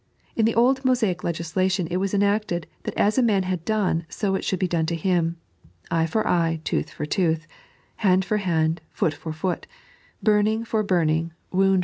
In the old Mosaic legislation it was enacted that as a man had done, so it should be done to him, " Eye for eye, tooth for tooth "—" band for hand, foot for foot, burning for burning, wound 3.